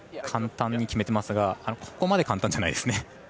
簡単に決めてますがここまで簡単じゃないですね。